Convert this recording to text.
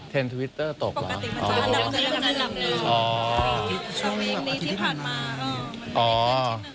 เทนทวิตเตอร์ตกหรือหรออ๋ออ๋อ